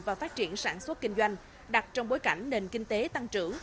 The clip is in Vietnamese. và phát triển sản xuất kinh doanh đặt trong bối cảnh nền kinh tế tăng trưởng